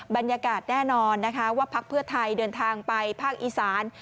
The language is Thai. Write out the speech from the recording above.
บรรยากาศแน่นอนนะคะว่าพักเพื่อไทยเดินทางไปภาคอีสาน